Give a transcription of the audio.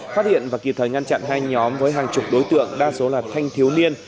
phát hiện và kịp thời ngăn chặn hai nhóm với hàng chục đối tượng đa số là thanh thiếu niên